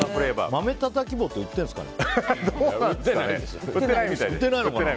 まめたたき棒って売ってるんですかね。